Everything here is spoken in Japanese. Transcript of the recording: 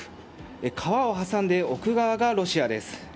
川を挟んで奥側がロシアです。